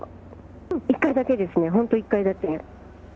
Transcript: １回だけですね、本当１回だけ。